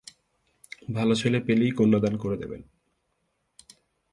ভাল ছেলে পেলেই কন্যাদান করে দেবেন।